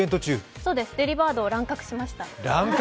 そうです、デリバードを乱獲しました。